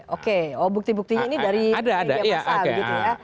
oke oh bukti buktinya ini dari media pasar gitu ya